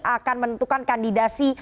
akan menentukan kandidasi